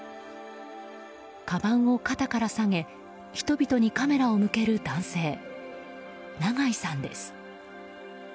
かばんを肩からさげ人々にカメラを向ける男性長井さんです。